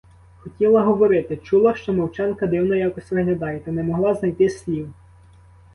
Хотіла говорити, чула, що мовчанка дивно якось виглядає, та не могла знайти слів.